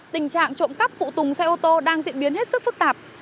tình trạng trộm cắp phụ tùng xe ô tô đang diễn biến hết sức phức tạp